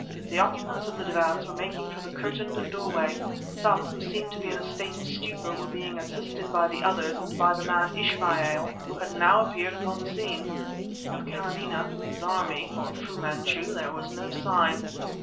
The occupants of the divans were making for the curtained doorway. Some, who seemed to be in a state of stupor, were being assisted by the others and by the man, Ismail, who had now appeared upon the scene. Of Kâramaneh, Zarmi, or Fu Manchu there was no sign.